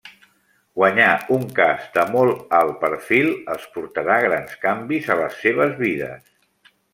Guanyar un cas de molt alt perfil els portarà grans canvis a les seves vides.